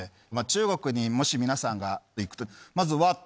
中国にもし皆さんが行くとまずわっ！